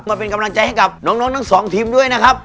มาเป็นกำลังใจให้กับน้องทั้งสองทีมด้วยนะครับ